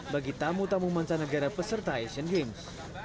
bagi tamu tamu mancanegara peserta asian games